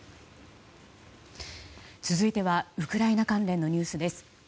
続いてはウクライナ関連のニュースです。